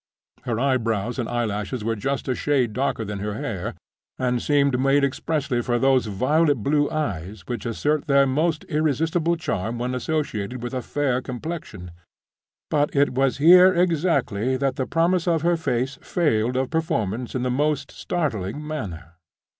Her eyebrows and eyelashes were just a shade darker than her hair, and seemed made expressly for those violet blue eyes, which assert their most irresistible charm when associated with a fair complexion. But it was here exactly that the promise of her face failed of performance in the most startling manner.